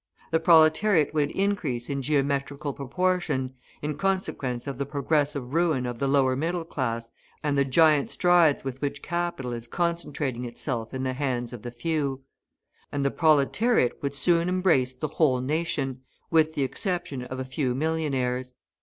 The proletariat would increase in geometrical proportion, in consequence of the progressive ruin of the lower middle class and the giant strides with which capital is concentrating itself in the hands of the few; and the proletariat would soon embrace the whole nation, with the exception of a few millionaires.